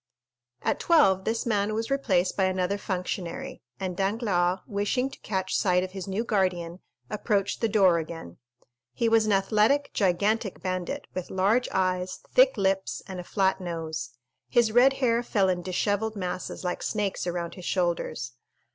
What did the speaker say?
At twelve this man was replaced by another functionary, and Danglars, wishing to catch sight of his new guardian, approached the door again. He was an athletic, gigantic bandit, with large eyes, thick lips, and a flat nose; his red hair fell in dishevelled masses like snakes around his shoulders.